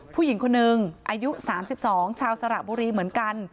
ผู้หญิงคนหนึ่งอายุสามสิบสองชาวสระบุรีเหมือนกัน